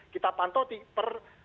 kita pantau per